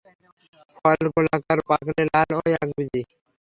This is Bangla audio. ফল গোলাকার, পাকলে লাল ও একবীজী।